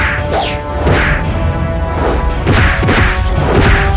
iya gusti adipati